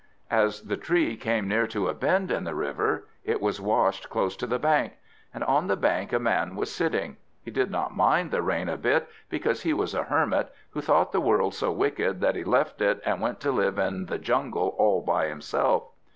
As the tree came near to a bend in the river, it was washed close to the bank. And on the bank a man was sitting. He did not mind the rain a bit, because he was a Hermit, who thought the world so wicked that he left it and went to live in the jungle all by himself.